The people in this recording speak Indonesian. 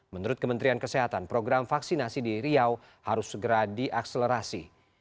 menurut kementerian kesehatan program vaksinasi di riau harus segera diakselerasi